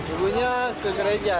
ibunya ke kerja